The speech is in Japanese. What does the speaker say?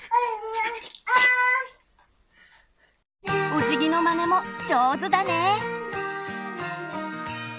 おじぎのまねも上手だね！